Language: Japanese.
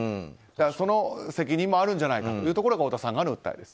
その責任もあるんじゃないかというところが太田さん側の訴えです。